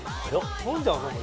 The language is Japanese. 飲んじゃうの？